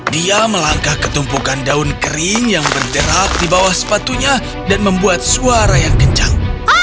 dia melangkah ketumpukan daun kering yang bergerak di bawah sepatunya dan membuat suara yang kencang